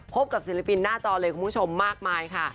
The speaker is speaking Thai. พบกับศิลปินหน้าจอเลยคุณผู้ชมมากมายค่ะ